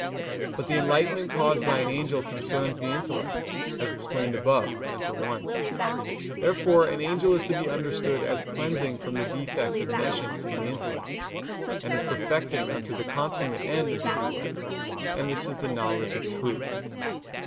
But the enlightenment caused by an angel concerns the intellect, as explained above (A. 1); therefore an angel is to be understood as cleansing from the defect of nescience in the intellect; and as perfecting unto the consummate end of the intellect, and this is the knowledge of truth.